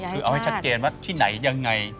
คือเอาให้ชัดเจนว่าที่ไหนยังไง